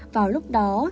vào lúc đó